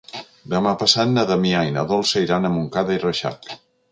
Demà passat na Damià i na Dolça iran a Montcada i Reixac.